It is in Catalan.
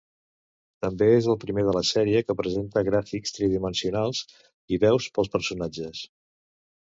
També és el primer de la sèrie que presenta gràfics tridimensionals, i veus pels personatges.